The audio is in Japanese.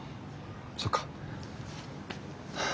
そっか。